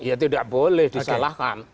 ya tidak boleh disalahkan